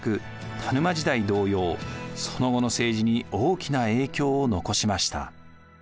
田沼時代同様その後の政治に大きな影響を残しました。